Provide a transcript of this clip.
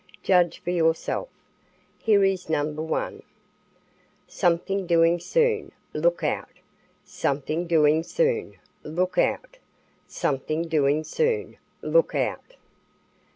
Judge for yourself here is No. 1: Something Doing Soon Look Out SOMETHING DOING SOON LOOK OUT =SOMETHING DOING SOON LOOK OUT!